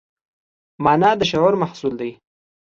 مانا د شعور محصول دی.